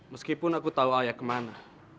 meskipun aku tahu ayah kemana